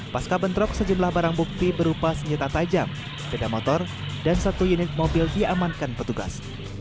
pasca bentrok sejumlah barang bukti berupa senjata tajam sepeda motor dan satu unit mobil diamankan petugas